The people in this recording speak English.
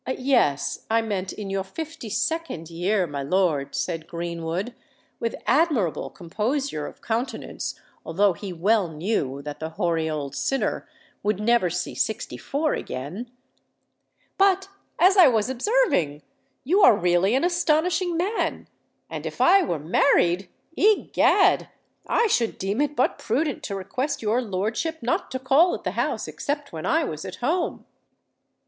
"Yes—I meant in your fifty second year, my lord," said Greenwood, with admirable composure of countenance, although he well knew that the hoary old sinner would never see sixty four again:—"but, as I was observing, you are really an astonishing man; and if I were married—egad! I should deem it but prudent to request your lordship not to call at the house except when I was at home!"